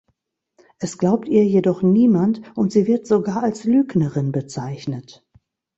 Es glaubt ihr jedoch niemand und sie wird sogar als Lügnerin bezeichnet.